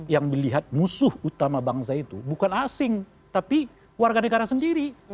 yang melihat musuh utama bangsa itu bukan asing tapi warga negara sendiri